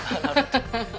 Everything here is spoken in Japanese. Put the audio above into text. ハハハハ！